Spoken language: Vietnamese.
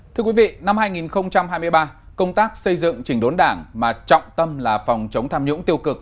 thưa quý vị năm hai nghìn hai mươi ba công tác xây dựng chỉnh đốn đảng mà trọng tâm là phòng chống tham nhũng tiêu cực